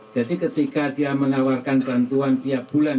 jadi ketika dia menawarkan bantuan tiap bulan